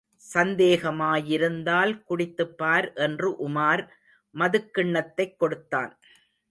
சந்தேகமாயிருந்தால் குடித்துப்பார் என்று உமார் மதுக்கிண்ணத்தைக் கொடுத்தான்.